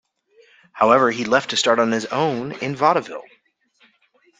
However he left to start on his own in Vaudeville.